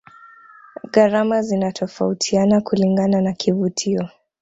gharama zinatofautiana kulingana na kivutio